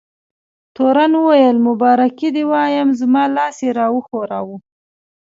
تورن وویل: مبارکي دې وایم، زما لاس یې را وښوراوه.